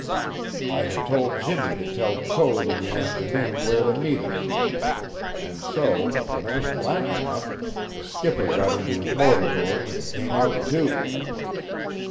I had told Jimmie to tell Code in the afternoon where to meet us; and so, when it was black enough, the skipper got into his motor dory and came out, too.